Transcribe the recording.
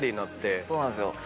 そうなんですよ。